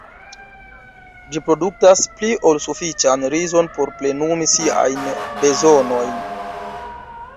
Ĝi produktas pli ol sufiĉan rizon por plenumi siajn bezonojn.